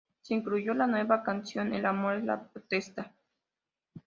Se incluyó la nueva canción "El amor es la protesta".